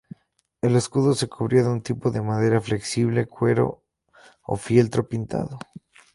El escudo se cubría de un tipo de madera flexible, cuero o fieltro pintado.